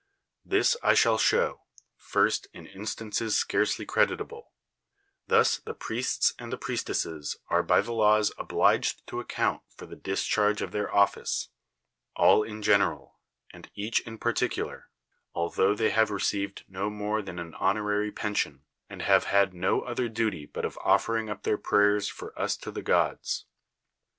This I shall show, first, in instances scarcely creditable : thus the priests and priestesses are by the laws obliged to account for the discharge of their office, all in general, and each in particular; altho they have received no more than an honorary pension, and have had no other duty but of offering up their prayers for us to the gods.